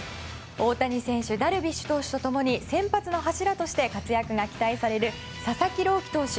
大谷選手ダルビッシュ投手と共に先発の柱として活躍が期待される佐々木朗希投手。